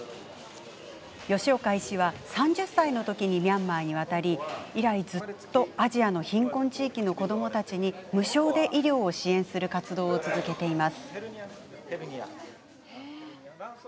吉岡医師は３０歳の時にミャンマーに渡り、以来ずっとアジアの貧困地域の子どもたちに無償で医療を支援する活動を続けています。